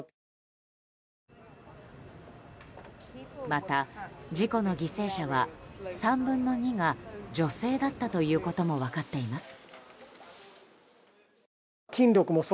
また、事故の犠牲者は３分の２が女性だったということも分かっています。